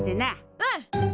うん！